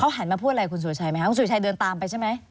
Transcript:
หันมาพูดอะไรคุณสุรชัยไหมครับคุณสุรชัยเดินตามไปใช่ไหม